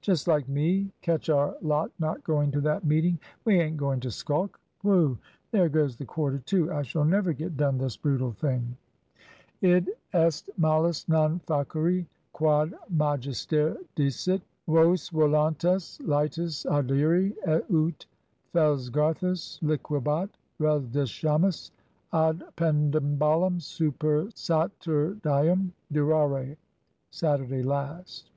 Just like me. Catch our lot not going to that meeting! We aint going to skulk. Whew! there goes the quarter to! I shall never get done this brutal thing." "Id est malus non facere quad magister dicit. Vos voluntas laetus audire ut Fellsgarthus liquebat Rendleshamus ad pedemballum super Saturdaium durare," (Saturday last).